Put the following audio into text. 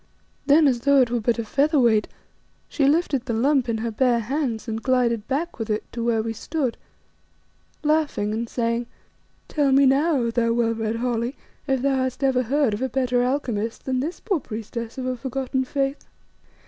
Then as though it were but a feather weight, she lifted the lump in her bare hands and glided back with it to where we stood, laughing and saying "Tell me now, O thou well read Holly, if thou hast ever heard of a better alchemist than this poor priestess of a forgotten faith?"